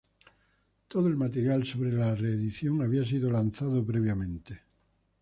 Todo el material sobre la reedición había sido lanzado previamente.